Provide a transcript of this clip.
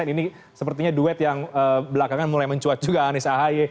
ini sepertinya duet yang belakangan mulai mencuat juga anies ahy